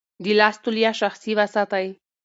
د لاس توليه شخصي وساتئ.